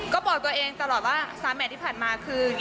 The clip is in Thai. ก็บอกตัวเองตลอดว่าตั้งแต่๓แมทที่ผ่านมา